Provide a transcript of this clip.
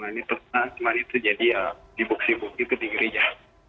manit manit jadi ya sibuk sibuk gitu di gereja